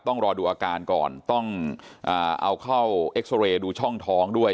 ต้องรอดูอาการก่อนต้องเอาเข้าเอ็กซอเรย์ดูช่องท้องด้วย